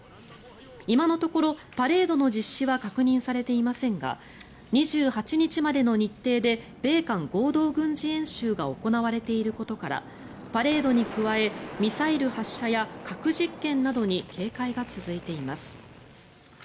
今のところパレードの実施は確認されていませんが２８日までの日程で米韓合同軍事演習が行われていることからパレードに加えミサイル発射や核実験などに警戒が続いています。